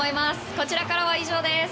こちらからは以上です。